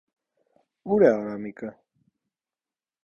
- Ո՞ւր է Արամիկը: